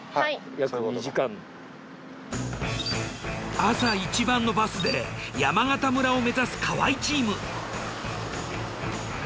朝一番のバスで山形村を目指す河合チーム。